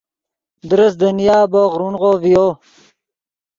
درست دنیا بوق رونغو ڤیو